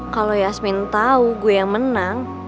kalau yasmin tahu gue yang menang